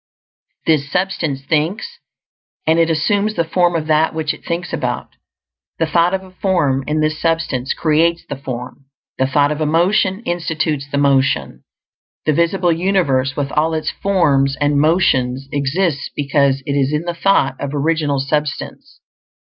This Substance thinks, and it assumes the form of that which it thinks about. The thought of a form, in this substance, creates the form; the thought of a motion institutes the motion. The visible universe, with all its forms and motions, exists because it is in the thought of Original Substance.